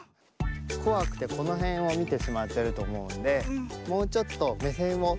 こわくてこのへんをみてしまってるとおもうのでもうちょっとめせんをとおくに。